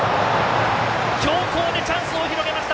強硬でチャンスを広げました。